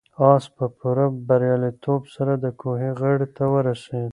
آس په پوره بریالیتوب سره د کوهي غاړې ته ورسېد.